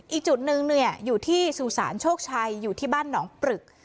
อีกจุดนึงอยู่ที่สุสานโชคชัยอยู่ที่บ้านหนองปรึก